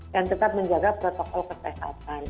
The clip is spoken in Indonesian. dan tetap menjaga protokol kesehatan